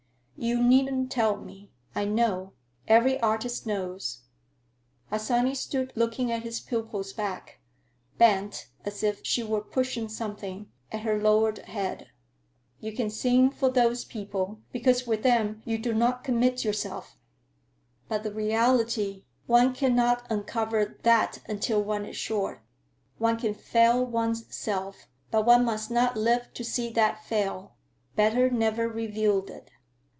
"You needn't tell me. I know. Every artist knows." Harsanyi stood looking at his pupil's back, bent as if she were pushing something, at her lowered head. "You can sing for those people because with them you do not commit yourself. But the reality, one cannot uncover that until one is sure. One can fail one's self, but one must not live to see that fail; better never reveal it.